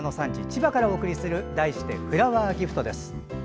千葉からお送りする題して「フラワーギフト」です。